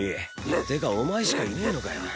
ってかお前しかいねえのかよ？